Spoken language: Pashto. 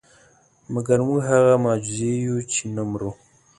مګر موږ هغه معجزې یو چې نه مرو.